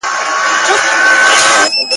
د غوايی تر سترګو ټوله ځنګل تور سو ..